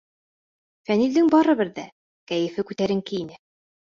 Фәнилдең барыбер ҙә кәйефе күтәренке ине.